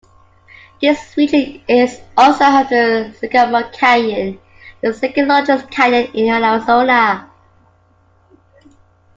This region is also home to Sycamore Canyon, the second largest canyon in Arizona.